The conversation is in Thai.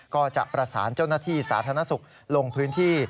ก็จะประสานเจ้าหน้าที่สาธารณสุขลงพื้นที่